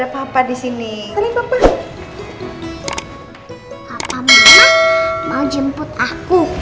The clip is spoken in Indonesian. papa mama mau jemput aku